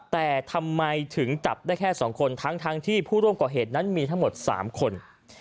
แต่ทำไมถึงจับได้แค่๒คนทั้งที่ผู้ร่วมก่อเหตุนั้นมีทั้งหมด๓คน